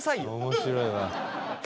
面白いわ。